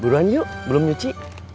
buruan yuk belum nyuci